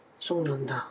そうなんだ。